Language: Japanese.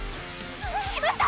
しまった！